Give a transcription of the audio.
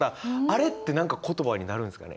あれって何か言葉になるんですかね？